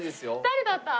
誰だった？